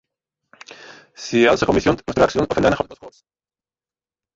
She also commissioned construction of a nine-hole golf course.